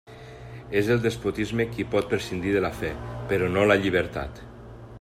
És el despotisme qui pot prescindir de la fe, però no la llibertat.